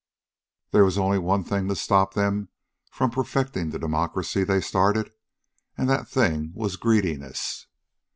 There was only one thing to stop them from perfecting the democracy they started, and that thing was greediness.